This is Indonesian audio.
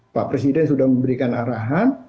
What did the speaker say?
pak presiden sudah memberikan arahan